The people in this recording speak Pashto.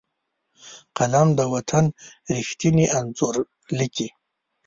قلم د وطن ریښتیني انځور لیکي